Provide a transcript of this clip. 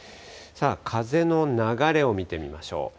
風の流れを見てみましょう。